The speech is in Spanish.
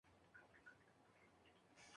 Habla Ingles y Español.